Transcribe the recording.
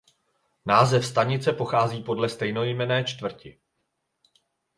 Název stanice pochází podle stejnojmenné čtvrti.